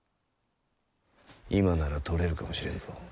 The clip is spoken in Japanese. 今なら取れるかもしれんぞ。